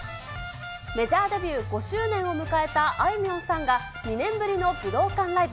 メジャーデビュー５周年を迎えたあいみょんさんが、２年ぶりの武道館ライブ。